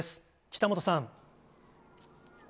北本さん。